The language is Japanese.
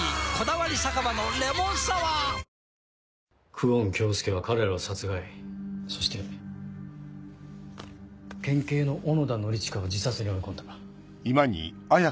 久遠京介は彼らを殺害そして県警の小野田則親を自殺に追い込んだ。